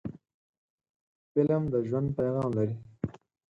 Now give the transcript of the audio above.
فلم د ژوند پیغام لري